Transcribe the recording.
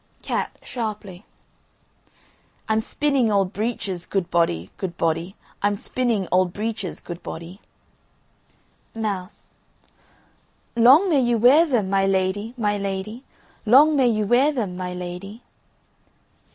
CAT (sharply). I'm spinning old breeches, good body, good body I'm spinning old breeches, good body. MOUSE. Long may you wear them, my lady, my lady, Long may you wear them, my lady.